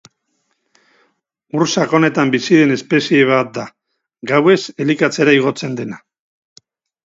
Ur sakonetan bizi den espezie bat da, gauez elikatzera igotzen dena.